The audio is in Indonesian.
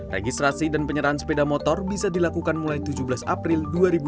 registrasi dan penyerahan sepeda motor bisa dilakukan mulai tujuh belas april dua ribu dua puluh